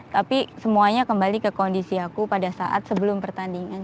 tapi semuanya kembali ke kondisi aku pada saat sebelum pertandingan